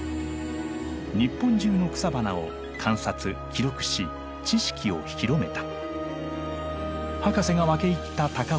日本中の草花を観察記録し知識を広めた。